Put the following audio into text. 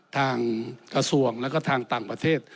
ทางกระทรวงแล้วก็ทางต่างประเทศ